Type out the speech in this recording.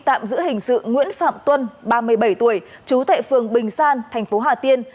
tạm giữ hình sự nguyễn phạm tuân ba mươi bảy tuổi trú tại phường bình san thành phố hà tiên